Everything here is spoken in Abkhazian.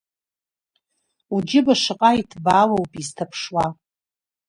Уџьыба шаҟа иҭбаау ауп изҭаԥшуа.